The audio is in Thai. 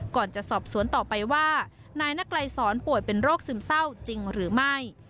ก่อนจะสอบสวนต่อไปว่านายนักไลสอนป่วยเป็นโรคซึมเศร้าจริงหรือไม่